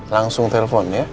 langsung telepon ya